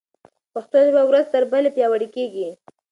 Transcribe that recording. پښتو ژبه ورځ تر بلې پیاوړې کېږي.